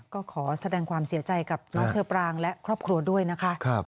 ก็ขอแสดงความเสียใจกับน้องเชอปรางและครอบครัวด้วยนะคะ